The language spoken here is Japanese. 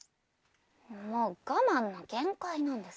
もう我慢の限界なんですけど。